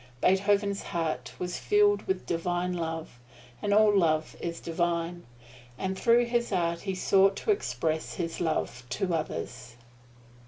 Beethoven's heart was filled with divine love and all love is divine and through his art he sought to express his love to others.